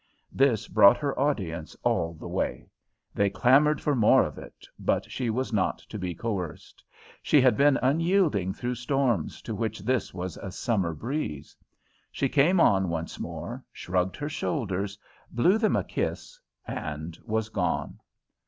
This brought her audience all the way. They clamoured for more of it, but she was not to be coerced. She had been unyielding through storms to which this was a summer breeze. She came on once more, shrugged her shoulders, blew them a kiss, and was gone.